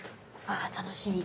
あ楽しみ。